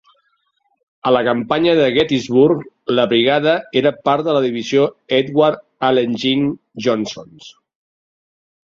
A la campanya de Gettysburg, la brigada era part de la divisió Edward "Allegheny" Johnson's.